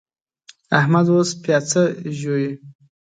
احمد اوس پياڅه ژووي.